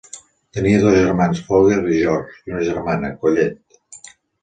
Tenia dos germans, Folger i George, i una germana, Collette.